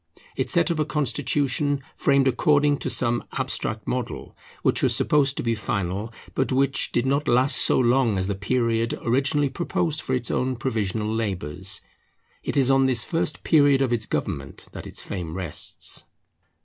It set up a constitution framed according to some abstract model, which was supposed to be final, but which did not last so long as the period originally proposed for its own provisional labours. It is on this first period of its government that its fame rests.